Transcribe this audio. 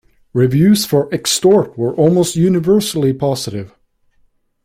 Reviews for "Xtort" were almost universally positive.